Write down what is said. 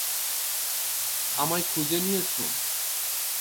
আমায় খুঁজে নিয়েছো।